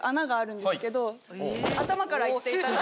頭からいっていただいて。